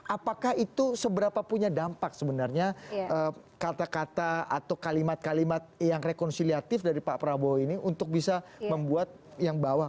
apakah itu seberapa punya dampak sebenarnya kata kata atau kalimat kalimat yang rekonsiliatif dari pak prabowo ini untuk bisa membuat yang bawah